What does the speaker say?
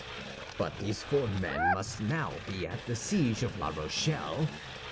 "But these four men must be now at the siege of La Rochelle?"